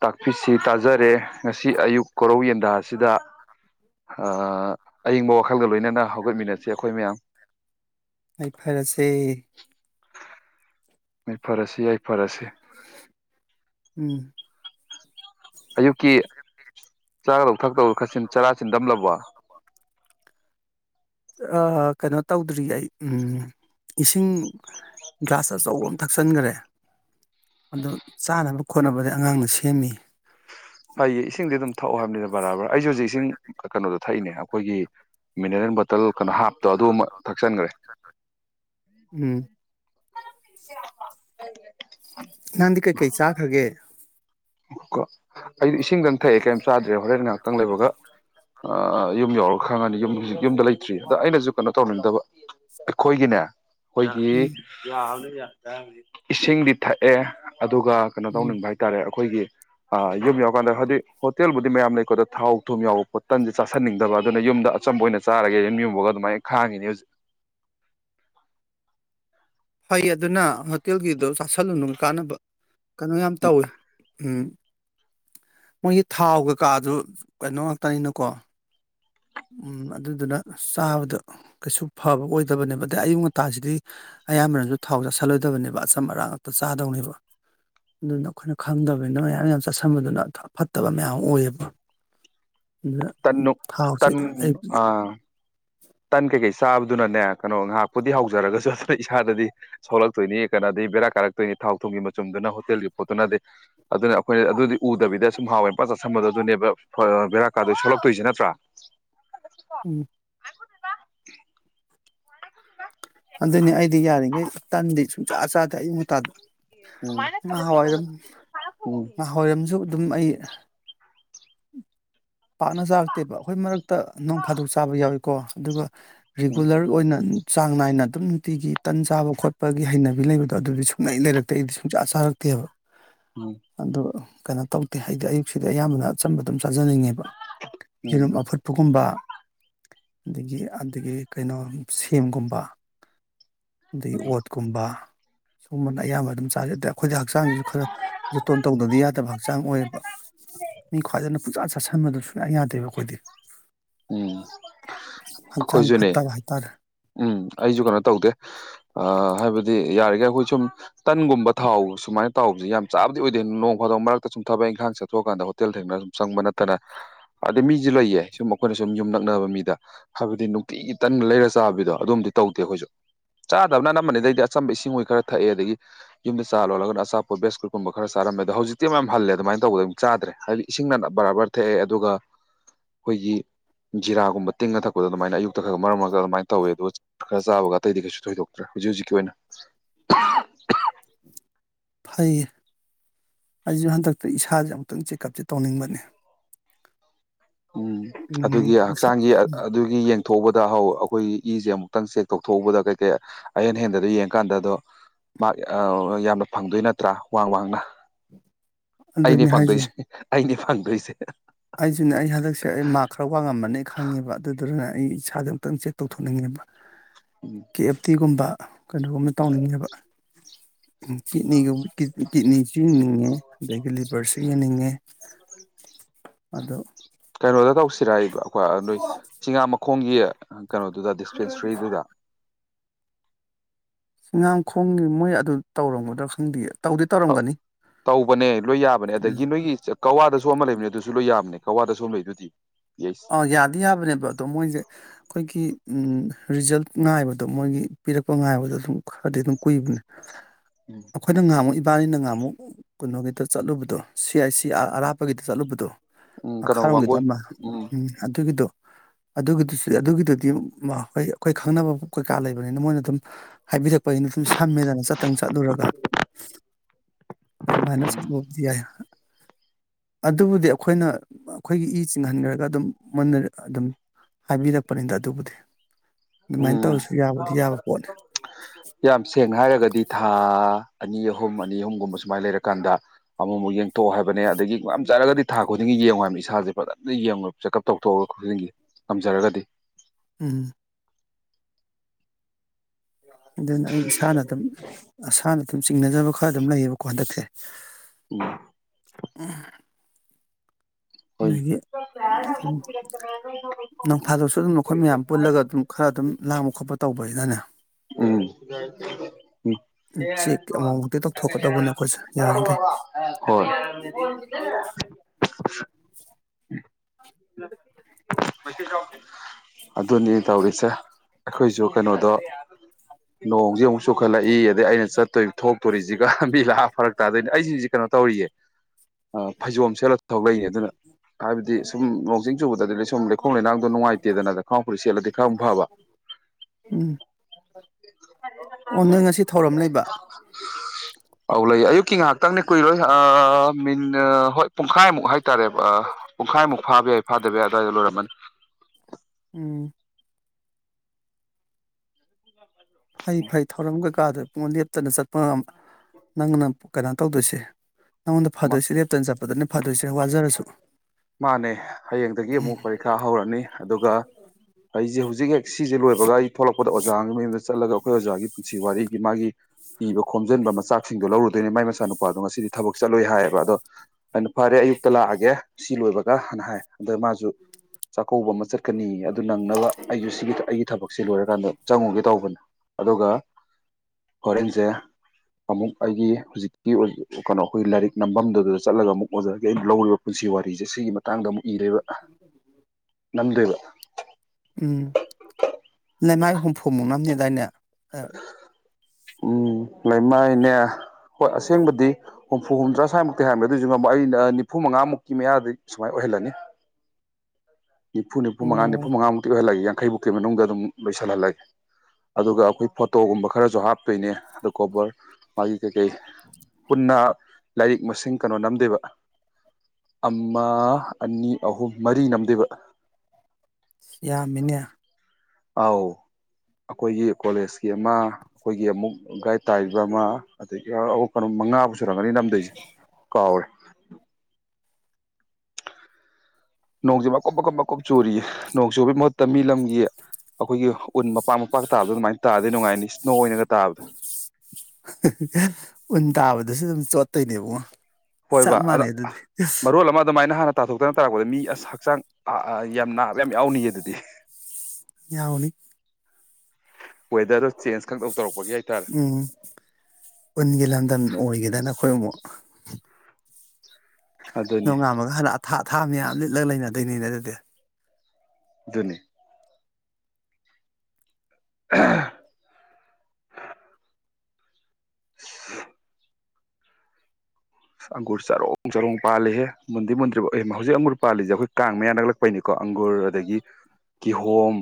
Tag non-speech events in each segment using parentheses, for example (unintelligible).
ꯇꯥꯛꯄꯤꯁ ꯁꯤ ꯇꯥꯖꯔꯦ ꯉꯁꯤ ꯑꯌꯨꯛ ꯀꯣꯔꯧ ꯌꯦꯟꯊ ꯑꯁꯤꯗ ꯑꯏꯤꯡꯕ ꯋꯥꯈꯜꯒ ꯂꯣꯏꯅꯅ ꯍꯧꯒꯠꯃꯤꯟꯅꯁꯦ ꯑꯩꯈꯣꯏ ꯃꯌꯥꯝ ꯃꯩꯐꯔꯁꯦ ꯃꯤ ꯐꯔꯁꯤ ꯇꯌꯥꯥꯏ ꯐꯔꯁꯤ ꯎꯝ ꯑꯌꯛꯀꯤ ꯆꯥꯣ ꯊꯛꯇ ꯈ ꯆꯔꯥ ꯆꯤꯟꯗꯝꯂꯕ ꯀꯩꯅꯣ ꯇꯧꯗ꯭ꯔꯤ ꯑꯩ ꯏꯁꯤꯡ ꯒ꯭ꯂꯥꯁ ꯑꯆꯧꯕ ꯑꯃ ꯊꯛꯆꯤꯟꯈꯔꯦ ꯑꯗꯨ ꯆꯥꯅꯕ ꯈꯣꯠꯅꯕꯗꯤ ꯑꯉꯥꯡꯅ ꯁꯦꯝꯃꯤ ꯐꯩꯌꯦ ꯏꯁꯤꯡꯗꯤ ꯑꯗꯨꯝ ꯊꯛꯑꯣ ꯍꯥꯏꯕꯅꯤꯅ ꯕꯔꯥꯔ ꯑꯩꯁꯨ ꯍꯧꯖꯤꯛ ꯏꯁꯤꯡ ꯀꯩꯅꯣꯗ ꯊꯛꯏꯅꯦ ꯑꯩꯈꯣꯏꯒꯤ ꯃꯤꯅꯔꯦꯜꯕ ꯜ ꯀꯩꯅꯣ ꯍꯥꯞꯇꯣ ꯑꯗꯨ ꯑꯃ ꯊꯛꯆꯟꯈ꯭ꯔꯦ ꯎꯝ (inaudible) ꯅꯪꯗꯤ ꯀꯩꯀꯩ ꯆꯥꯈ꯭ꯔꯒꯦ ꯀꯣ ꯑꯩꯗꯤ ꯏꯁꯤꯡꯗꯪ ꯊꯛꯑꯦ ꯀꯩ ꯆꯥꯗ꯭ꯔꯦ ꯍꯣꯔꯦꯟ ꯉꯥꯏꯍꯥꯛꯇꯪ ꯂꯩꯕꯒ ꯑ ꯌꯨꯝ ꯌꯧꯔꯒ ꯈꯪꯉꯅꯤ ꯌꯨꯝ ꯍꯧꯖꯤꯛ ꯌꯨꯝꯗ ꯂꯩꯇ꯭ꯔꯤ ꯑꯗ ꯑꯩꯅꯁꯨ ꯀꯩꯅꯣ ꯇꯧꯅꯤꯡꯗꯕ ꯑꯩꯈꯣꯏꯒꯤꯅꯦ ꯑꯩꯈꯣꯏꯒꯤ ꯎꯝ ꯏꯁꯤꯡꯗꯤ ꯊꯛꯑꯦ ꯑꯗꯨꯒ ꯀꯩꯅꯣ ꯎꯝ ꯇꯧꯅꯤꯡꯕ ꯍꯥꯏꯇꯥꯔꯦ ꯑꯩꯈꯣꯏꯒꯤ ꯑ ꯌꯨꯝ ꯌꯥꯎꯔꯀꯥꯟꯗ ꯍꯥꯏꯗꯤ ꯍꯣꯇꯦꯜꯕꯨꯗꯤ ꯃꯌꯥꯝ ꯂꯩꯀꯣꯗ ꯊꯥꯎ ꯊꯨꯝ ꯌꯥꯎꯕ ꯄꯣꯠ ꯇꯟꯁꯦ ꯆꯥꯥꯁꯟꯅꯤꯡꯗꯕ ꯑꯗꯨꯅ ꯌꯨꯝꯗ ꯑꯆꯝꯕ ꯑꯣꯏꯅ ꯆꯥꯔꯒꯦ ꯑꯗꯨ ꯌꯨꯝꯃꯒ ꯑꯗꯨꯃꯥꯏꯅ ꯈꯥꯡꯉꯤꯅꯤ ꯍꯧꯖꯤꯛ ꯐꯩ ꯑꯗꯨꯅ ꯍꯣꯇꯦꯜꯒꯤꯗꯣ ꯆꯥꯥꯁꯜꯂꯨꯅ ꯀꯥꯟꯅꯕ ꯀꯩꯅꯣ ꯌꯥꯝ ꯇꯧꯋꯤ ꯎꯝ ꯃꯣꯏꯒꯤ ꯊꯥꯎ ꯀꯀꯥꯁꯨ ꯀꯩꯅꯣ ꯉꯥꯛꯇꯅꯤꯅꯀꯣ ꯎꯝ ꯑꯗꯨꯗꯨꯅ ꯆꯥꯕꯗ ꯀꯩꯁꯨ ꯐꯕ ꯑꯣꯏꯗꯕꯅꯦꯕ ꯑꯗꯩ ꯑꯌꯨꯛ ꯉꯇꯥꯁꯤꯗꯤ ꯑꯌꯥꯝꯕꯅꯅꯁꯨ ꯊꯥꯎ ꯆꯥꯁꯤꯜꯂꯣꯏꯗꯕꯅꯦꯕ ꯑꯆꯝ ꯑꯔꯥꯡ ꯉꯥꯛꯇ ꯆꯥꯗꯧꯅꯦꯕ ꯑꯗꯨꯅ ꯑꯩꯈꯣꯏꯅ ꯈꯪꯗꯕꯅꯤꯅ ꯃꯌꯥꯝ ꯌꯥꯝ ꯆꯥꯁꯤꯟꯕꯗꯨꯅ ꯐꯠꯇꯕ ꯃꯌꯥꯝ ꯑꯣꯏꯌꯦꯕ ꯑꯗꯨꯗ ꯇꯟ ꯊꯥꯎꯁꯦ ꯇꯟ ꯑꯩ ꯑꯥ ꯇꯟ ꯀꯩꯀꯩ ꯆꯥꯕꯗꯨꯅꯅꯦ ꯀꯩꯅꯣ ꯉꯥꯏꯍꯥꯛꯄꯨꯗꯤ ꯍꯥꯎꯖꯔꯒꯁꯨ ꯑꯗꯨꯅ ꯏꯁꯥꯗꯗꯤ ꯁꯣꯛꯂꯛꯇꯣꯏꯅꯤ ꯀꯩꯅꯣꯗꯤ ꯕꯦꯔꯥ ꯀꯥꯔꯛꯇꯣꯏꯅꯤ ꯊꯥꯎ ꯊꯨꯝꯒꯤ ꯃꯆꯨꯝꯗꯨꯅ ꯍꯣꯇꯦꯜꯒꯤ ꯄꯣꯠꯇꯨꯅꯗꯤ ꯑꯗꯨꯅ ꯑꯩꯈꯣꯏꯅ ꯑꯗꯨꯗꯤ ꯎꯗꯕꯤꯗ ꯁꯨꯝ ꯍꯥꯎꯋꯦ ꯄꯥꯆꯥ ꯆꯁꯤꯟꯕꯗꯣ ꯑꯗꯨꯅꯦꯕ ꯕꯦꯔꯥ ꯀꯥꯗꯣꯏ ꯁꯣꯛꯂꯛꯇꯣꯏꯁꯦ ꯅꯠꯇ꯭ꯔꯥ ꯎꯝ (unintelligible) ꯑꯗꯨꯅꯤ ꯑꯩꯗꯤ ꯌꯥꯔꯤꯉꯩ ꯇꯟꯗꯤ ꯁꯨꯡꯆꯥ ꯆꯥꯗꯦ ꯑꯌꯨꯛ ꯉꯟꯇꯥꯗ ꯅꯍꯥꯋꯥꯏꯔꯝ ꯎꯝ ꯅꯍꯋꯥꯏꯔꯝꯁꯨ ꯑꯗꯨꯝ ꯑꯩ (inaudible) ꯄꯥꯛꯅ ꯆꯥꯔꯛꯇꯦꯕ ꯍꯣꯏ ꯃꯔꯛꯇ ꯅꯣꯡ ꯐꯥꯗꯣꯛ ꯆꯥꯕ ꯌꯥꯎꯋꯤ ꯀꯣ ꯑꯗꯨꯒ ꯎꯝ ꯔꯤꯒꯨꯂꯔ ꯑꯣꯏꯅ ꯆꯥꯡ ꯅꯥꯏꯅ ꯑꯗꯨꯝ ꯅꯨꯡꯇꯤꯒꯤ ꯇꯟ ꯆꯥꯕ ꯈꯣꯠꯄꯒꯤ ꯍꯩꯅꯕꯤ ꯂꯩꯕꯗꯣ ꯑꯗꯨꯗꯤ ꯁꯨꯡꯂꯩ ꯂꯩꯔꯛꯇꯦ ꯑꯩꯗꯤ ꯁꯨꯡꯆꯥ ꯆꯥꯔꯛꯇꯦꯕ ꯎꯝ ꯎꯝ ꯑꯗꯨ ꯀꯩꯅꯣ ꯇꯧꯗꯦ ꯍꯥꯏꯗꯤ ꯑꯩ ꯁꯤꯗ ꯑꯌꯥꯝꯕꯅ ꯆꯝꯕꯥ ꯆꯥꯖꯅꯤꯡꯉꯦꯕ ꯎꯝ ꯌꯦꯔꯨꯝ ꯑꯐꯨꯠꯄꯒꯨꯝꯕ ꯑꯗꯒꯤ ꯑꯗꯒꯤ ꯀꯩꯅꯣ ꯁꯦꯝꯒꯨꯝꯕ ꯑꯗꯒꯤ ꯎꯝ ꯑꯣꯠꯀꯨꯝꯕ ꯁꯨꯝꯕꯅ ꯑꯌꯥꯝꯕ ꯑꯗꯨꯝ ꯆꯥꯖꯩ ꯑꯩꯈꯣꯏꯗ ꯍꯛꯆꯥꯡꯁꯤꯁꯨ ꯈꯔ ꯖꯨꯇꯣꯟ ꯇꯧꯗꯗꯤ ꯌꯥꯗꯕ ꯍꯛꯆꯥꯡ ꯑꯣꯏꯌꯦꯕ ꯃꯤ (unintelligible) ꯄꯨꯨꯡꯆꯥꯥ ꯆꯥꯁꯤꯟꯕꯗꯨ ꯁꯨꯡꯌꯥ ꯌꯥꯗꯦꯕ ꯑꯩꯈꯣꯏꯗꯤ ꯎꯝ ꯍꯛꯆꯥꯡ ꯑꯩꯈꯣꯏꯁꯨꯅꯦ ꯐꯠꯇꯕ ꯍꯥꯏꯇꯥꯔꯦ ꯎꯝ ꯑꯩꯁꯨ ꯀꯩꯅꯣ ꯇꯧꯗꯦ ꯑ ꯍꯥꯏꯕꯗꯤ ꯌꯥꯔꯤꯈꯩ ꯑꯩꯈꯣꯏ ꯁꯨꯝ ꯇꯟꯒꯨꯝꯕ ꯊꯥꯎ ꯁꯨꯃꯥꯏꯅ ꯇꯥꯎꯁꯦ ꯌꯥꯝ ꯆꯥꯕꯗꯤ ꯑꯣꯏꯗꯦ ꯅꯣꯡ ꯐꯥꯗꯣꯡ ꯃꯔꯛꯇ ꯁꯨꯝ ꯊꯕꯛ ꯏꯪꯈꯥꯡ ꯆꯠꯊꯣꯛꯑꯀꯥꯟꯗ ꯍꯣꯇꯦꯜ ꯊꯦꯡꯅ ꯁꯨꯝ ꯆꯪꯕ ꯅꯠꯇꯅ ꯑꯗꯩ ꯃꯤꯁꯨ ꯂꯩꯌꯦ ꯁꯨꯝ ꯑꯩꯈꯣꯏꯅ ꯁꯨꯝ ꯌꯨꯝ ꯅꯛꯅꯕ ꯃꯤꯗ ꯍꯥꯏꯕꯗꯤ ꯅꯨꯡꯇꯤꯒꯤ ꯇꯟ ꯂꯩꯔ ꯆꯥꯕꯤꯗꯣ ꯑꯗꯨꯝꯕꯗꯤ ꯇꯧꯗꯦ ꯑꯩꯈꯣꯏꯁꯨ ꯆꯥꯗꯕꯅ ꯑꯅꯝꯕꯅꯤꯗ ꯑꯩꯗꯤ ꯑꯆꯝꯕ ꯏꯁꯤꯡ ꯍꯣꯏ ꯈꯔ ꯊꯛꯑꯦ ꯑꯗꯒꯤ ꯌꯨꯝꯗ ꯆꯥ ꯂꯣꯜꯂꯒꯅ ꯑꯆꯥꯄꯣꯠ ꯕꯤꯁꯀꯨꯠꯀꯨꯝꯕ ꯈꯔ ꯆꯥꯔꯝꯃꯦ ꯑꯗꯣ ꯍꯧꯖꯤꯛꯇꯤ ꯃꯌꯥꯝ ꯍꯜꯂꯦ ꯑꯗꯨꯃꯥꯏꯅ ꯇꯧꯕꯗꯣ ꯃꯨꯛ ꯆꯥꯗ꯭ꯔꯦ ꯍꯥꯏꯕꯗꯤ ꯏꯁꯤꯡꯅ ꯕꯔꯥꯕꯔ ꯊꯛꯑꯦ ꯑꯗꯨꯒ ꯑꯩꯈꯣꯏꯒꯤ ꯖꯤꯔꯥꯒꯨꯝꯕ ꯇꯤꯡꯉ ꯊꯛꯄꯗꯣ ꯑꯗꯨꯃꯥꯏꯅ ꯑꯌꯨꯛꯇ ꯈꯛ ꯃꯔꯛ ꯃꯔꯛꯇ ꯑꯗꯨꯃꯥꯏꯅ ꯇꯧꯋꯦ ꯑꯗꯨꯒ ꯈꯔ ꯆꯥꯕꯒ ꯑꯇꯩꯗꯤ ꯀꯩꯁꯨ ꯊꯣꯏꯗꯣꯛꯇ꯭ꯔꯦ ꯍꯧꯖꯤꯛ ꯍꯧꯖꯤꯛꯀꯤ ꯑꯣꯏꯅ ꯐꯩꯌꯦ ꯑꯩꯁꯨ ꯍꯟꯗꯛꯇ ꯏꯁꯥꯁꯦ ꯑꯃꯨꯛꯇꯪ ꯆꯦꯛꯀꯞꯁꯦ ꯇꯧꯅꯤꯡꯕꯅꯤ ꯎꯝ ꯑꯗꯨꯒꯤ ꯍꯛꯆꯥꯡꯒꯤ ꯑꯗꯨꯒꯤ ꯌꯦꯡꯊꯣꯛ ꯊꯧꯕꯗ ꯍꯧꯎ ꯑꯩꯈꯣꯏꯒꯤ ꯏꯁꯦ ꯑꯃꯨꯛꯇꯪ ꯆꯦꯛ ꯇꯧꯊꯣꯛꯎꯕꯗ ꯀꯩ ꯀꯩ ꯑꯍꯦꯟ ꯍꯦꯟꯗꯗ ꯌꯦꯡꯀꯥꯟꯗ ꯑꯗꯣ ꯃꯥ ꯌꯥꯝꯅ ꯐꯪꯗꯣꯏ ꯅꯠꯇ꯭ꯔꯥ ꯋꯥꯡ ꯋꯥꯡꯅ (inaudible) ꯑꯩꯗꯤ ꯍꯥꯏꯁꯦ ꯐꯪꯗꯣꯏꯁꯦ ꯑꯩꯅꯦ ꯐꯪꯗꯣꯏꯁꯦ ꯑꯩꯁꯨꯅꯦ ꯑꯩ ꯍꯟꯗꯛꯁꯦ ꯑꯩ ꯃꯥꯛ ꯈꯔ ꯋꯥꯡꯉꯝꯃꯅꯦ ꯈꯪꯉꯦꯕ ꯑꯗꯨꯗꯨꯅ ꯑꯩ ꯏꯁꯥꯗ ꯑꯃꯨꯛꯇꯪ ꯆꯦꯛ ꯇꯧꯊꯣꯛꯅꯤꯡꯉꯦꯕ ꯎꯝ ꯀꯦ ꯑꯦꯞ ꯇꯤꯒꯨꯝꯕ ꯀꯩꯅꯣꯒꯨꯝꯕ ꯇꯧꯅꯤꯡꯉꯦꯕ ꯀꯤꯠꯅꯤꯒꯕꯨ ꯀꯤꯠꯅꯤ ꯌꯦꯡꯅꯤꯡꯉꯦ ꯑꯗꯒꯤ ꯂꯤꯕꯔꯁꯤ ꯌꯦꯡꯅꯤꯡꯉꯦ ꯑꯗꯣ ꯇꯧꯁꯤꯔꯛꯏꯕ ꯑꯗꯨ ꯆꯤꯡꯉꯥ ꯈꯣꯡꯒꯤ ꯀꯩꯅꯣꯗꯨꯗ ꯗꯤꯁꯄꯦꯟꯁꯔꯤꯗꯨꯗ ꯆꯤꯡꯉꯥꯡ ꯈꯣꯡꯒꯤ ꯃꯣꯏ ꯑꯗꯨ ꯇꯧꯔꯝꯒꯗ꯭ꯔꯥ ꯈꯪꯗꯦꯌꯦ ꯇꯧꯗꯤ (unintelligible) ꯇꯧꯔꯝꯒꯅꯤ ꯇꯧꯕꯅꯦ ꯂꯣꯏ ꯌꯥꯕꯅꯦ ꯎꯝ ꯑꯗꯒꯤ ꯅꯣꯏꯒꯤ ꯀꯋꯥꯗꯁꯨ ꯑꯃ ꯂꯩꯕꯅꯦ ꯑꯗꯨꯁꯨ ꯁꯨ ꯂꯣꯏ ꯌꯥꯝꯕꯅꯦ ꯀꯋꯥꯗ ꯁꯨ ꯂꯩ ꯑꯗꯨꯗꯤ ꯑ ꯌꯥꯗꯤ ꯌꯥꯕꯅꯦꯕ ꯑꯗꯣ ꯃꯣꯏꯁꯦ ꯑꯩꯈꯣꯏꯒꯤ ꯔꯤꯖꯜ ꯉꯥꯏꯕꯗꯣ ꯃꯣꯏꯒꯤ ꯄꯤꯔꯛꯄ ꯉꯥꯏꯕꯗꯣ ꯑꯗꯨꯝ ꯈꯔꯗꯤ ꯑꯗꯨꯝ ꯀꯨꯏꯕꯅꯦ ꯎꯝ ꯑꯩꯈꯣꯏꯅ ꯉꯥꯡꯃꯛ ꯏꯕꯥꯅꯤꯅ ꯉꯥꯃꯨꯛ ꯀꯩꯅꯣꯒꯤꯗ ꯆꯠꯂꯨꯕꯗꯣ ꯁꯤ ꯑꯥꯏ ꯁꯤ ꯑꯥ ꯑꯔꯥꯞꯄꯒꯤꯗ ꯆꯠꯂꯨꯕꯗꯣ ꯎꯝ ꯀꯔꯣ ꯃꯈꯥꯔꯣꯝꯒꯤꯗ ꯋꯥꯥꯡꯒꯣꯏ ꯑꯃ ꯎꯝ ꯎꯝ ꯑꯗꯨꯒꯤꯗꯣ ꯑꯗꯨꯒꯤꯗꯨꯁꯨ ꯑꯗꯨꯒꯤꯗꯨꯗꯤ ꯍꯣꯏ ꯑꯩꯈꯣꯏ ꯈꯪꯅꯕ ꯀꯩꯀꯥ ꯂꯩꯕꯅꯤꯅ ꯃꯣꯏꯅ ꯑꯗꯨꯝ ꯍꯥꯏꯕꯤꯔꯛꯄꯒꯤꯅ ꯑꯗꯨꯝ ꯁꯝꯃꯦꯗꯅ ꯆꯠꯇꯪ ꯆꯠꯂꯨꯔꯒ ꯑꯗꯨꯃꯥꯏꯅ ꯆꯠꯂꯨꯕꯗꯤ ꯌꯥꯏ ꯑꯗꯨꯕꯨꯗꯤ ꯑꯩꯈꯣꯏꯅ ꯑꯩꯈꯣꯏꯒꯤ ꯏ ꯆꯤꯡꯍꯟꯈ꯭ꯔꯒ ꯑꯗꯨꯝꯟꯅ ꯑꯗꯨꯝ ꯍꯥꯏꯕꯤꯔꯛꯄꯅꯤꯗ ꯑꯗꯨꯕꯨꯗꯤ ꯑꯗꯨꯃꯥꯏꯅ ꯎꯝ ꯇꯧꯔꯁꯨ ꯌꯥꯕꯨꯗꯤ ꯌꯥꯕ ꯄꯣꯠꯅꯤ ꯌꯥꯝ ꯁꯦꯡꯅ ꯍꯥꯏꯔꯒꯗꯤ ꯍꯥꯏꯗꯤ ꯊꯥ ꯑꯅꯤ ꯑꯍꯨꯝ ꯑꯅꯤ ꯑꯍꯨꯝꯒꯨꯝꯕ ꯁꯨꯃꯥꯏꯅ ꯂꯩꯔꯀꯥꯟꯗ ꯑꯃꯨꯛ ꯑꯃꯨꯛ ꯌꯦꯡꯊꯣꯛꯑꯣ ꯍꯥꯏꯕꯅꯦ ꯑꯗꯒꯤ ꯉꯝꯖꯔꯒꯗꯤ ꯊꯥ ꯈꯨꯗꯤꯡꯒꯤ ꯌꯦꯡꯉꯨ ꯍꯥꯏꯕꯅꯤ ꯏꯁꯥꯁꯦ ꯐꯖꯅ ꯌꯦꯡꯉꯨ ꯆꯦꯛꯑꯞ ꯇꯧꯊꯣꯛꯑ ꯈꯨꯗꯤꯡꯒꯤ ꯉꯝꯖꯔꯒꯗꯤ ꯎꯝ ꯑꯗꯨꯅ ꯑꯩ ꯏꯁꯥ ꯅꯠꯇꯕꯤ ꯑꯁꯥꯅ ꯑꯗꯨꯝ ꯆꯤꯡꯅꯖꯕ ꯈꯔ ꯑꯗꯨꯝ ꯂꯩꯌꯦꯕꯀꯣ ꯍꯟꯗꯛꯁꯦ ꯎꯝ ꯑ ꯍꯣꯏ ꯑꯗꯒꯤ ꯅꯪꯐꯥꯗꯣꯛꯁꯨ ꯑꯗꯨꯝ ꯃꯈꯣꯏꯠ ꯃꯌꯥꯝ ꯄꯨꯜꯂꯒ ꯑꯗꯨꯝ ꯈꯔ ꯑꯗꯨꯝ ꯂꯥꯡꯕ ꯈꯣꯠꯄ ꯇꯧꯕꯁꯤꯅꯅꯦ ꯎꯝ ꯆꯦꯛ ꯑꯃꯨꯛꯃꯨꯛꯇꯤ ꯇꯧꯊꯣꯛꯀꯗꯧꯕꯅꯦ ꯑꯩꯈꯣꯏꯁꯨ ꯌꯥꯔꯤꯈꯩ (unintelligible) (inaudible) ꯑꯗꯨꯅꯤ ꯇꯧꯔꯤꯁꯦ ꯑꯩꯈꯣꯏꯁꯨ ꯀꯩꯅꯣꯗ ꯅꯣꯡꯁꯦ ꯁꯣꯛꯈꯠꯂꯛꯏ ꯑꯗ ꯑꯩꯅ ꯆꯠ ꯇꯣꯏ ꯊꯣꯛꯇꯣꯔꯤꯁꯤꯒ ꯃꯤꯂꯥ ꯐꯔꯛ ꯇꯥꯗꯣꯏꯅꯦ ꯑꯩꯁꯤꯁꯤ ꯀꯩꯅꯣ ꯇꯧꯔꯤꯌꯦ ꯐꯩꯖꯣꯝ ꯁꯦꯠꯂ ꯊꯣꯛꯂꯛꯏ ꯑꯗꯨꯅ ꯍꯥꯏꯕꯗꯤ ꯁꯨꯝ ꯅꯣꯡꯖꯤꯡ ꯆꯨꯕꯗꯗꯤ ꯁꯨꯝ ꯂꯩꯈꯣꯝ ꯂꯩꯅꯥꯡꯗꯣ ꯅꯨꯡꯉꯥꯏꯇꯦꯗꯅ ꯈꯥꯉ ꯐꯨꯔꯤ ꯁꯦꯠꯂꯗꯤ ꯈꯔ ꯐꯕ ꯎꯝ ꯑꯣ ꯅꯪ ꯉꯁꯤ ꯊꯧꯔꯝ ꯂꯩꯕ ꯑꯧ ꯂꯩꯌꯦ ꯑꯌꯨꯛꯀꯤ ꯉꯥꯏꯍꯥꯛꯇꯪꯅꯦ ꯀꯨꯏꯔꯣꯏ ꯑ ꯃꯤꯟ ꯍꯣꯏ ꯄꯨꯡꯈꯥꯏꯃꯨꯛ ꯍꯥꯏꯇꯥꯔꯦꯕ ꯄꯨꯡꯈꯥꯏꯃꯨꯛ ꯐꯥꯕ ꯌꯥꯏ ꯐꯥꯗꯕ ꯌꯥꯏ ꯑꯗꯨꯋꯥꯏꯗꯣ ꯂꯣꯏꯔꯝꯃꯅꯤ ꯎꯝ ꯐꯩ ꯐꯩ ꯊꯧꯔꯝꯒ ꯀꯥꯗ ꯄꯨꯡ ꯂꯦꯞꯇꯅ ꯆꯠꯄ ꯅꯪꯅ ꯀꯩꯅꯣ ꯇꯧꯗꯣꯏꯁꯦ ꯅꯣꯟ ꯐꯗꯔꯤꯞ ꯐꯖꯅ ꯐꯗꯣꯏꯁꯦ ꯋꯥꯖꯔꯁꯨ ꯃꯥꯅꯦ ꯍꯌꯦꯡꯗꯒꯤ ꯑꯃꯨꯛ ꯄꯔꯤꯈꯥ ꯍꯧꯔꯅꯤ ꯑꯗꯨꯒ ꯑꯩꯁꯦ ꯍꯧꯖꯤꯛ ꯁꯤꯁꯦ ꯂꯣꯏꯕꯒ ꯑꯩ ꯊꯣꯛꯂꯛꯄꯗ ꯑꯣꯖꯥ ꯃꯌꯨꯝꯗ ꯆꯠꯂꯒ ꯑꯩꯈꯣꯏ ꯑꯣꯖꯥꯒꯤ ꯄꯨꯟꯁꯤ ꯋꯥꯔꯤꯒꯤ ꯃꯥꯒꯤ ꯏꯕ ꯈꯣꯝꯖꯤꯟꯕ ꯃꯆꯥꯛꯁꯤꯡꯗꯣ ꯂꯧꯔꯨꯗꯣꯏꯅꯦ ꯃꯥꯏ ꯃꯆꯥꯅꯨꯄꯥꯗꯣ ꯉꯁꯤꯗꯤ ꯊꯕꯛ ꯆꯠꯂꯨꯏ ꯍꯥꯏꯌꯦꯕ ꯑꯗꯣ ꯑꯩꯅ ꯐꯔꯦ ꯑꯌꯨꯛꯇ ꯂꯥꯛꯑꯒꯦ ꯁꯤ ꯂꯣꯏꯕꯒ ꯍꯥꯟꯅ ꯍꯥꯏ ꯑꯗ ꯃꯥꯁꯨ ꯆꯥꯛꯀꯧꯕ ꯑꯃ ꯆꯠ ꯀꯅꯤ ꯑꯗꯨ ꯅꯪꯅꯕ ꯑꯩꯁꯨ ꯁꯤꯒꯤ ꯑꯩ ꯊꯕꯛꯁꯦ ꯂꯣꯏꯔꯀꯥꯟꯗ ꯆꯪꯉꯨꯒꯦ ꯇꯧꯕꯅꯦ ꯑꯗꯨꯒ ꯍꯣꯔꯦꯟꯁꯦ ꯑꯃꯨꯛ ꯑꯩꯒꯤ ꯍꯧꯖꯤꯛꯀꯤ ꯀꯩꯅꯣ ꯑꯩꯈꯣꯏ ꯂꯥꯏꯔꯤꯛ ꯅꯝꯐꯝꯗꯨꯗꯨꯗ ꯆꯠꯂꯒ ꯑꯃꯨꯛ ꯑꯣꯖꯥꯒꯤ ꯑꯩꯅ ꯂꯧꯔꯤꯕ ꯄꯨꯟꯁꯤ ꯋꯥꯔꯤꯠ ꯁꯦ ꯁꯤꯒꯤ ꯃꯇꯥꯡꯗ ꯑꯃꯨꯛ ꯏꯔꯣꯏꯕ ꯅꯝꯗꯣꯏꯕ ꯎꯝ ꯂꯩꯃꯥꯏ ꯍꯨꯝꯐꯨ ꯃꯨꯛꯅꯅꯦꯗꯥꯏꯅꯦ ꯎꯝ ꯂꯩꯃꯥꯏꯅꯦ ꯍꯣꯏ ꯑꯁꯦꯡꯕꯗꯤ ꯍꯨꯝꯐꯨ ꯍꯨꯝꯗ꯭ꯔꯥ ꯁ꯭ꯋꯥꯏꯃꯨꯛꯇꯤ ꯍꯥꯏꯃꯦ ꯑꯗꯨꯏꯁꯨ ꯉꯝꯃ ꯑꯩ ꯅꯤꯐꯨ ꯃꯉꯥꯃꯨꯛꯀꯤ ꯃꯌꯥꯗꯤ ꯁꯨꯃꯥꯏꯅ ꯑꯣꯏꯍꯜꯂꯅꯤ ꯅꯤꯐꯨꯅꯤꯐꯨꯉꯥ ꯑꯣ ꯅꯤꯐꯃꯉꯥꯃꯨꯛꯇ ꯑꯣꯏꯍꯂꯒ ꯌꯥꯡꯩꯕꯨꯛꯀꯤ ꯃꯅꯨꯡꯗ ꯑꯗꯨꯝ ꯂꯣꯏꯁꯜꯍꯜꯂꯒꯦ ꯑꯗꯨꯒ ꯑꯩꯈꯣꯏ ꯐꯣꯇꯣꯒꯨꯝꯕ ꯈꯔꯁꯨ ꯍꯥꯞ ꯐꯩꯅꯦ ꯑꯗꯣ ꯀꯣꯕꯔ ꯃꯥꯒꯤ ꯀꯩ ꯄꯨꯟꯅꯥ ꯂꯥꯏꯔꯤꯛ ꯃꯁꯤꯡ ꯀꯩꯅꯣ ꯅꯝꯗꯦꯕ ꯑꯃ ꯑꯅꯤ ꯑꯍꯨꯝ ꯃꯔꯤ ꯅꯝꯗꯦꯕ ꯁꯤ ꯌꯥꯝꯃꯤꯅꯦꯌꯥ ꯑꯥꯎ ꯑꯩꯈꯣꯏꯒꯤ ꯀꯣꯂꯦꯖꯀꯤ ꯑꯃ ꯑꯩꯈꯣꯏꯒꯤ ꯑꯃꯨꯛ ꯒꯥꯏꯠ ꯇꯥꯔꯤꯕ ꯑꯃ ꯑꯗꯒꯤ ꯑꯃꯨ ꯀꯩꯅꯣ ꯃꯉꯥꯕꯨ ꯁꯨꯔꯝꯒꯅꯤ ꯅꯝꯗꯣꯏꯁꯦ ꯀꯥꯎꯔꯦ ꯅꯣꯡꯁꯦ ꯑꯀꯨꯞ ꯑꯀꯨꯞ ꯑꯀꯨꯞ ꯆꯨꯔꯤꯌꯦ ꯅꯣꯡ ꯆꯨꯕꯒꯤ ꯃꯍꯨꯠꯇ ꯃꯤ ꯂꯝꯒꯤ ꯑꯩꯈꯣꯏꯒꯤ ꯎꯟ ꯃꯄ ꯃꯄꯥꯛꯇ ꯇꯥꯕꯗꯣ ꯑꯗꯨꯃꯥꯏꯅ ꯇꯥꯗꯩ ꯅꯨꯡꯉꯥꯏꯅꯤ ꯏꯁꯅꯣ ꯑꯣꯏꯅꯒ ꯇꯥꯕꯗꯣ (inaudible) ꯎꯟ ꯇꯥꯕꯗꯁꯨ ꯑꯗꯨꯝ ꯆꯣꯠꯇꯣꯏꯅꯦꯕꯨꯡꯉ ꯍꯣꯏꯕ ꯑꯗꯥ ꯃꯔꯣꯜ ꯑꯃ ꯑꯗꯨꯃꯥꯏꯅ ꯍꯥꯟꯅ ꯇꯥꯊꯣꯛꯇꯅ ꯇꯥꯔꯛꯄꯗ ꯃꯤ ꯑ ꯍꯛꯆꯥꯡ ꯌꯥꯝ ꯅꯥꯕ ꯌꯥꯝ ꯌꯥꯎꯅꯤꯌꯦ ꯑꯗꯨꯗꯤ ꯌꯥꯎꯅꯤ ꯋꯦꯗꯔ꯫ ꯆꯦꯟꯖ ꯈ ꯇꯧꯔꯛ ꯎꯝ ꯎꯟꯟꯒ ꯂꯗ ꯑꯣꯜꯒꯗꯅ ꯍꯃꯣ ꯑꯗꯨꯅꯤ ꯅꯣꯡꯉꯥꯝꯃꯒ ꯍꯥꯟꯅ ꯑꯊꯥ ꯊꯥ ꯃꯌꯥꯝ ꯂꯤꯠꯂꯒ ꯂꯩꯅꯗꯣꯏꯅꯤꯅꯦ ꯑꯗꯨꯗꯤ ꯅꯤ (inaudible) (inaudible) ꯑꯁ ꯑꯪꯒꯨꯔ ꯆꯔꯣꯡ ꯆꯔꯣꯡ ꯄꯥꯜꯂꯤꯍꯦ ꯃꯨꯟꯗꯤ ꯃꯨꯗ꯭ꯔꯤꯕ ꯍꯧꯖꯤꯛ ꯑꯪꯒꯨꯔ ꯄꯥꯜꯂꯤꯁꯦ ꯑꯩꯈꯣꯏ ꯀꯥꯡ ꯃꯌꯥ ꯅꯛꯂꯛꯄꯩꯅꯤꯀꯣ ꯑꯪꯒꯨꯔ ꯑꯗꯒꯤ ꯀꯤꯍꯣꯝ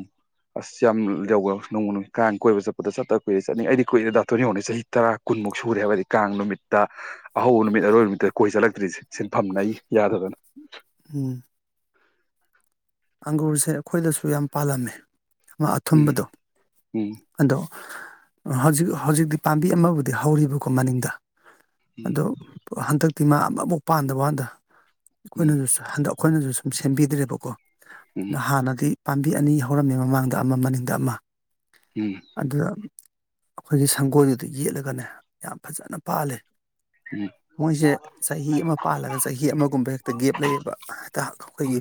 ꯑꯁ ꯌꯥꯝ ꯌꯋ ꯅꯣꯡꯃ ꯀꯥꯡ ꯀꯣꯏꯕ ꯆꯠꯄꯗ ꯆꯠꯇ ꯀꯨꯏꯔꯩ ꯆꯠꯅꯤꯡꯉ ꯑꯩꯗꯤ ꯀꯨꯏꯦ ꯥꯊꯣꯏꯅꯤꯅꯤ ꯆꯍꯤ ꯇꯔꯥ ꯀꯨꯟꯃꯨꯛ ꯁꯨꯔꯦ ꯍꯥꯏꯕꯗꯤ ꯀꯥꯡ ꯅꯨꯃꯤꯠꯇ ꯑꯍꯧꯕ ꯅꯨꯃꯤꯠ ꯑꯔꯣꯏꯕ ꯅꯨꯃꯤꯠꯇ ꯀꯣꯏ ꯆꯠꯂꯛꯇ꯭ꯔꯤꯁꯦ ꯁꯤꯟꯐꯝꯅ ꯑꯩ ꯌꯥꯗꯗꯅ ꯎꯝ ꯑꯪꯒꯨꯔꯁꯦ ꯑꯩꯈꯣꯏꯗꯁꯨ ꯌꯥꯝ ꯄꯥꯜꯂꯝꯃꯦ ꯑꯃ ꯎꯝ ꯑꯊꯨꯝꯕꯗꯣ ꯎꯝ ꯑꯗꯣ ꯍꯧꯖꯤꯛ ꯍꯧꯖꯤꯛꯇꯤ ꯄꯥꯝꯕꯤ ꯑꯃꯕꯨꯗꯤ ꯍꯧꯔꯤꯕꯀꯣ ꯃꯅꯤꯡꯗ ꯎꯝ ꯑꯗꯣ ꯍꯟꯗꯛꯇꯤ ꯃꯥ ꯑꯃꯨꯛ ꯄꯥꯟꯗꯕ ꯋꯥꯗ ꯎꯝ ꯑꯩꯈꯣꯏꯅꯁꯨ ꯍꯟꯗꯛ ꯑꯩꯈꯣꯏꯅꯁꯨ ꯁꯨꯝ ꯁꯦꯝꯕꯤꯗ꯭ꯔꯦꯕꯀꯣ ꯍꯥꯟꯅꯗꯤ ꯄꯥꯝꯕꯤ ꯑꯅꯤ ꯍꯧꯔꯝꯃꯤ ꯃꯃꯥꯡꯗ ꯑꯃ ꯃꯅꯤꯡꯗ ꯑꯃ ꯎꯝ ꯑꯗꯨ ꯑꯩꯈꯣꯏꯒꯤ ꯁꯪꯒꯣꯏꯗꯨꯗ ꯌꯦꯠꯂꯒꯅꯦ ꯌꯥꯝ ꯐꯖꯅ ꯄꯥꯜꯂꯤ ꯎꯝ ꯃꯣꯏꯁꯦ ꯆꯍꯤ ꯑꯃ ꯄꯥꯜꯂꯒ ꯆꯍꯤ ꯑꯃꯒꯨꯝꯕ ꯍꯦꯛꯇ ꯒꯦꯞ ꯂꯩꯌꯦꯕ ꯍꯛꯇ ꯎꯝ ꯎꯝ ꯑꯩꯈꯣꯏꯒꯤ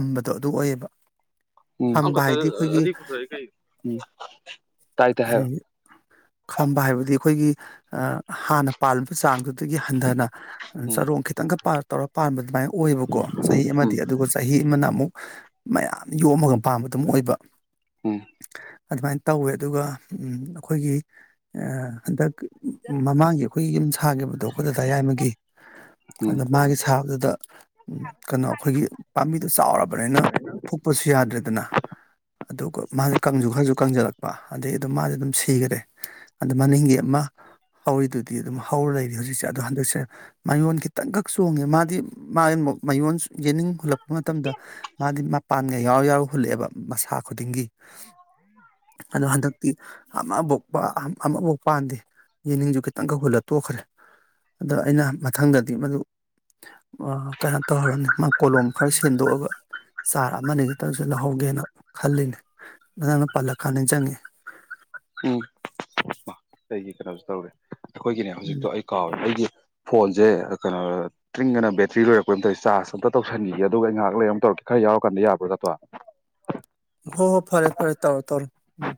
ꯊꯝꯕꯗꯣ ꯑꯗꯨ ꯑꯣꯏꯌꯦꯕ ꯎꯝ ꯈꯝꯕ ꯑꯪꯀ ꯍꯥꯏꯗꯤ ꯑꯩꯈꯣꯏꯒꯤ ꯑꯊ ꯀꯩ ꯎ ꯇꯥꯏ ꯇ ꯍꯥꯏꯣ ꯈꯝꯕ ꯍꯥꯏꯕꯗꯤ ꯑꯩꯈꯣꯏꯒꯤ ꯍꯥꯟꯅ ꯄꯥꯂꯝꯕ ꯆꯥꯡꯗꯨ ꯑꯗꯨꯒꯤ ꯍꯟꯊꯅ ꯎꯝ ꯆꯔꯣꯡ ꯈꯤꯇꯪꯒ ꯄꯥ ꯇꯧꯔ ꯄꯥꯟꯕ ꯑꯗꯨꯃꯥꯏꯅ ꯑꯣꯏꯕꯀꯣ ꯆꯍꯤ ꯑꯃꯗꯤ ꯎꯝ ꯑꯗꯨꯒ ꯑꯃꯅ ꯑꯃꯨꯛ ꯃꯌꯥꯝ ꯌꯣꯝꯃꯒ ꯄꯥꯝꯕꯗꯨꯝ ꯑꯣꯏꯕ ꯑꯨꯝ ꯑꯗꯨꯃꯥꯏꯅ ꯇꯧꯋꯦ ꯑꯗꯨꯒ ꯑꯩꯈꯣꯏꯒꯤ ꯍꯟꯗꯛ ꯃꯃꯥꯡꯒꯤ ꯑꯩꯈꯣꯏꯒꯤ ꯌꯨꯝ ꯁꯥꯈꯤꯕꯗꯣ ꯑꯩꯈꯣꯏꯗ ꯗꯌꯥꯏꯃꯒꯤ ꯎꯝ ꯑꯗ ꯃꯥꯒꯤ ꯁꯥꯕꯗꯨꯗ ꯀꯩꯅꯣ ꯑꯩꯈꯣꯏꯒꯤ ꯕꯤꯗꯨꯣ ꯆꯥꯎꯔꯕ ꯀꯃꯥꯏꯅ ꯐꯨꯛꯄꯁꯨ ꯌꯥꯗ꯭ꯔꯦꯗꯅ ꯑꯗꯨꯒ ꯃꯥꯁ ꯀꯥꯡꯁꯨ ꯈꯔꯁꯨ ꯀꯪꯁꯤꯜꯂꯛꯄ ꯑꯗꯩ ꯑꯗꯨꯝ ꯃꯥꯁꯦ ꯑꯗꯨꯝ ꯁꯤꯈꯔꯦ ꯑꯗ ꯃꯅꯤꯡꯒꯤ ꯑꯃ ꯍꯧꯔꯤꯗꯨꯗꯤ ꯑꯗꯨꯝ ꯍꯧꯔ ꯂꯩꯔꯤ ꯍꯧꯖꯤꯛꯁꯦ ꯑꯗꯣ ꯍꯟꯗꯛꯁꯦ ꯃꯌꯣꯟ ꯈꯤꯇꯪꯈꯛ ꯆꯣꯡꯉꯦ ꯃꯥꯗꯤ ꯃꯥ ꯃꯌꯣꯟ ꯌꯦꯅꯤꯡ ꯍꯨꯜꯂꯛꯄ ꯃꯇꯝꯗ ꯃꯥꯗꯤ ꯃ ꯒ ꯌꯥꯎꯔ ꯌꯥꯎꯔ ꯍꯨꯜꯂꯛꯑꯦꯕ ꯃꯁꯥ ꯈꯨꯗꯤꯡꯒꯤ ꯑꯗꯣ ꯍꯟꯗꯛꯇꯤ ꯑꯃꯕꯨ ꯑꯃꯐꯥꯎ ꯄꯥꯟꯗꯦ ꯌꯦꯅꯤꯡꯁꯨ ꯈꯤꯇꯪꯒ ꯍꯨꯜꯂ ꯇꯣꯛꯈ꯭ꯔꯦ ꯑꯗꯣ ꯑꯩꯅ ꯃꯊꯪꯗꯗꯤ ꯃꯗꯨ ꯀꯩꯅꯣ ꯇꯧꯔꯅꯤ ꯃꯥ ꯀꯣꯂꯣꯝ ꯈꯔ ꯁ ꯁꯦꯝꯗꯣꯛꯑꯒ ꯆꯥꯔ ꯑꯃꯅꯤ ꯈꯛꯇꯪꯁꯨ ꯂꯧꯍꯧꯒꯦꯅ ꯈꯜꯂꯤꯅꯤ ꯅꯪꯅ ꯄꯜꯂꯀꯥꯟꯗ ꯆꯪꯉꯤ ꯎꯝ ꯑꯩꯒꯤ ꯀꯩꯅꯣꯁꯨ ꯇꯧꯔꯦ ꯑꯩꯈꯣꯏꯒꯤꯅꯦ ꯎꯝ ꯍꯧꯖꯤꯛꯇꯣ ꯑꯩ ꯀꯥꯎꯔꯦ ꯑꯩꯗꯤ ꯐꯣꯟꯁꯦ ꯀꯩꯅꯣ ꯇ꯭ꯔꯤꯡꯉꯅ ꯕꯦꯇ꯭ꯔꯤ ꯂꯣꯏꯔꯛꯄꯩ ꯃ ꯆꯥꯔꯖ ꯑꯝꯇ ꯇꯧꯁꯟꯈꯤꯒꯦ ꯑꯗꯨꯒ ꯑꯩ ꯉꯥꯏꯍꯥꯛ ꯂꯩꯔꯨ ꯇꯧꯔꯛꯇꯦ ꯈꯔ ꯌꯥꯎꯔꯀꯥꯟꯗ ꯌꯥꯕ꯭ꯔꯥꯒꯠꯇ꯭ꯔꯣ ꯍꯣ ꯍꯣ ꯐꯔꯦ ꯐꯔꯦ ꯇꯧꯔꯣ ꯇꯧꯔꯣ ꯎꯝ